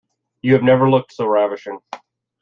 You have never looked so ravishing.